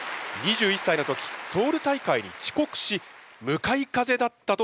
２１歳の時ソウル大会に遅刻し「向かい風だった」と発言。